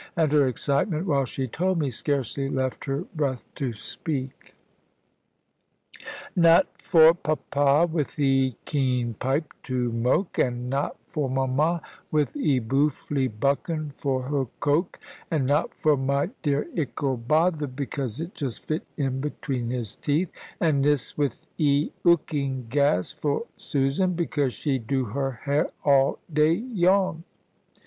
And her excitement while she told me scarcely left her breath to speak. "'Nat for papa, with 'e kean pipe to 'moke, and 'nat for mamma with 'e boofely bucken for her coke, and 'nat for my dear ickle bother, because it just fit in between his teeth, and 'nis with 'e 'ooking gass for Susan, because she do her hair all day yong."